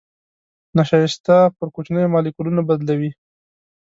نشایسته پر کوچنيو مالیکولونو بدلوي.